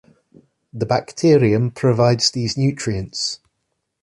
The bacterium provides these nutrients.